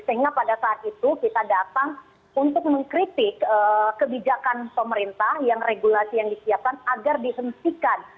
sehingga pada saat itu kita datang untuk mengkritik kebijakan pemerintah yang regulasi yang disiapkan agar dihentikan